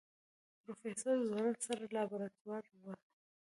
پروفيسر ځوړند سر له لابراتواره ووت.